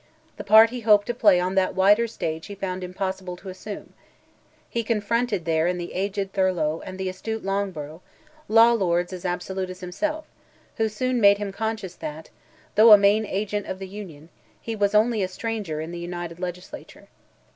The part he hoped to play on that wider stage he found impossible to assume; he confronted there in the aged Thurlow and the astute Loughborough, law lords as absolute as himself, who soon made him conscious that, though a main agent of the Union, he was only a stranger in the united legislature.